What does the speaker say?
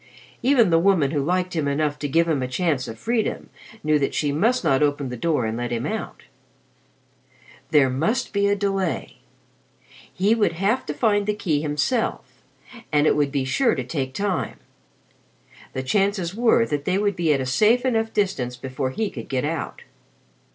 Even the woman who liked him enough to give him a chance of freedom knew that she must not open the door and let him out. There must be a delay. He would have to find the key himself, and it would be sure to take time. The chances were that they would be at a safe enough distance before he could get out.